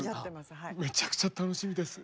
めちゃくちゃ楽しみです。